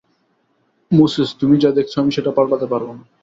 Moses, তুমি যা দেখছ আমি সেটা পাল্টাতে পারব না।